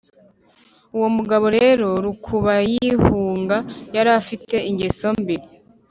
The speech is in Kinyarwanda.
uwo mugabo rero rukubayihunga yari afite ingeso mbi